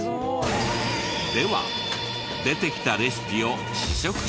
では出てきたレシピを試食してみよう。